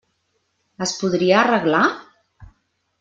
Es podria arreglar?